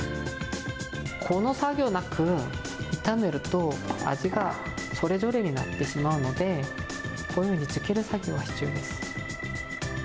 この作業なく炒めると、味がそれぞれになってしまうので、こういうふうに漬ける作業が必要です。